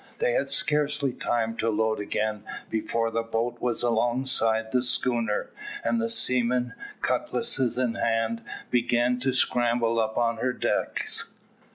They had scarcely time to load again before the boat was alongside the schooner, and the seamen, cutlass in hand, began to scramble up on her decks.